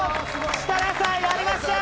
設楽さん、やりました！